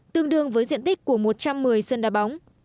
tương đương với diện tích của một trăm một mươi sân đá bóng